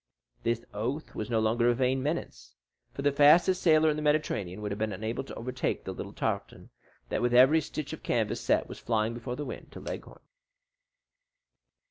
This oath was no longer a vain menace; for the fastest sailor in the Mediterranean would have been unable to overtake the little tartan, that with every stitch of canvas set was flying before the wind to Leghorn.